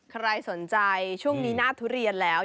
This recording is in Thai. ใครสนใจช่วงนี้หน้าทุเรียนแล้ว